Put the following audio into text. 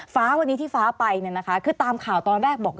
ฟ้าวันนี้ที่ฟ้าไปเนี่ยนะคะคือตามข่าวตอนแรกบอก